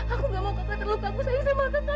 aku gak mau kakak terluka aku sayang sama kakak